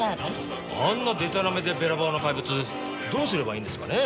あんなでたらめでべらぼうな怪物どうすればいいんですかね？